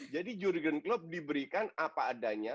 jadi jurgen klopp diberikan apa adanya